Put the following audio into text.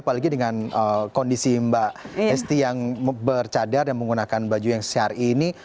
apalagi dengan kondisi mbak esti yang bercadar dan menggunakan baju yang syari ini